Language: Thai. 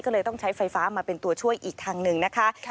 ก็เลยต้องใช้ไฟฟ้ามาเป็นตัวช่วยอีกทางหนึ่งนะคะ